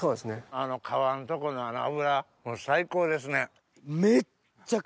あの皮のとこの脂最高ですね。